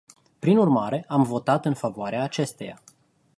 Prin urmare, am votat în favoarea acesteia.